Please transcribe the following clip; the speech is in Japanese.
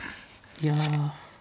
いや。